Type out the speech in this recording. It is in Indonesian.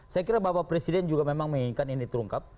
saya kira bapak presiden juga memang menginginkan ini terungkap